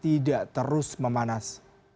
tidak terus memanas